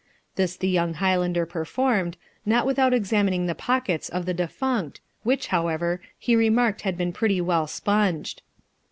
This the young Highlander performed, not without examining the pockets of the defunct, which, however, he remarked had been pretty well spunged.